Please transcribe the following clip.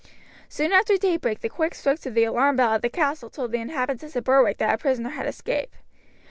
Soon after daybreak the quick strokes of the alarm bell at the castle told the inhabitants of Berwick that a prisoner had escaped.